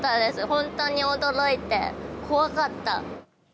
本当に驚いて、怖かった。